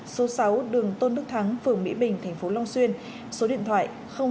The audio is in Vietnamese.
số sáu đường tôn đức thắng phường mỹ bình tp long xuyên số điện thoại sáu mươi chín ba trăm sáu mươi bốn hai trăm bảy mươi tám